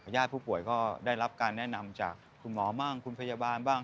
ญาติผู้ป่วยก็ได้รับการแนะนำจากคุณหมอบ้างคุณพยาบาลบ้าง